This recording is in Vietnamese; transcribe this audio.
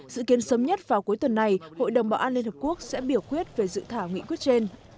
dự kiến sớm nhất vào cuối tuần này hội đồng bảo an liên hợp quốc sẽ biểu quyết về dự thảo nghị quyết trên